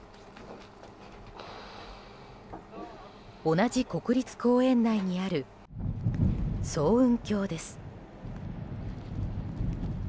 同じ国立公園内にある層雲峡です。